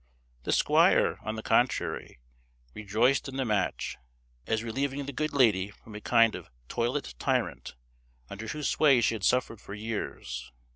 The squire, on the contrary, rejoiced in the match, as relieving the good lady from a kind of toilet tyrant, under whose sway she had suffered for years.